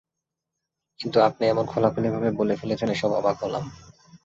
কিন্তু আপনি এমন খোলাখুলি ভাবে বলে ফেলছেন এসব, অবাক হলাম।